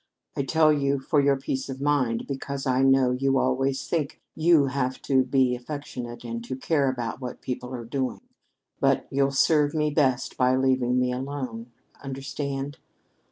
I tell you for your peace of mind, because I know you you always think you have to be affectionate and to care about what people are doing. But you'll serve me best by leaving me alone. Understand?"